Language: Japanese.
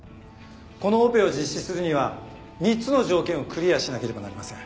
このオペを実施するには３つの条件をクリアしなければなりません。